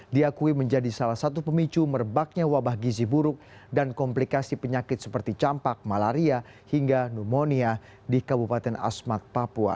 diakui menjadi salah satu pemicu merebaknya wabah gizi buruk dan komplikasi penyakit seperti campak malaria hingga pneumonia di kabupaten asmat papua